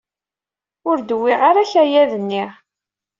Ur d-wwiɣ ara akayad-nni.